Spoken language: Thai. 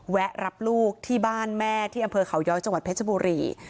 รับลูกที่บ้านแม่ที่อำเภอเขาย้อยจังหวัดเพชรบุรี